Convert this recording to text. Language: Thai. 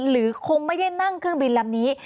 หรือคงไม่ได้นั่งเครื่องบินลำนี้